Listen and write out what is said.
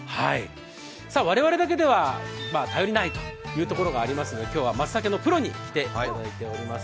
我々だけでは頼りないというところがありますので、今日はまつたけのプロに来ていただいております。